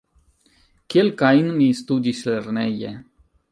Kelkajn mi studis lerneje.